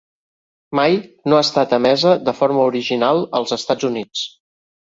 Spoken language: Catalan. Mai no ha estat emesa de forma original als Estats Units.